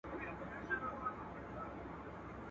زه که د صحرا لوټه هم یم کله خو به دي په کار سم !.